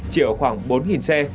chỉ ở khoảng bốn xe